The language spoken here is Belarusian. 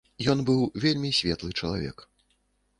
Ён быў вельмі светлы чалавек.